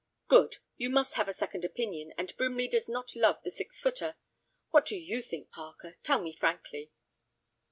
"Good. You must have a second opinion, and Brimley does not love the six footer. What do you think, Parker?—tell me frankly."